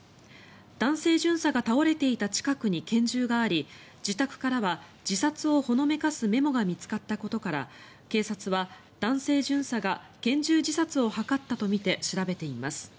男性巡査が倒れていた近くに拳銃があり自宅からは自殺をほのめかすメモが見つかったことから警察は男性巡査が拳銃自殺を図ったとみて調べています。